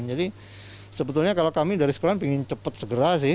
jadi sebetulnya kalau kami dari sekolah pengen cepat segera sih